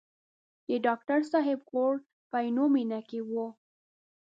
د ډاکټر صاحب کور په عینومېنه کې و.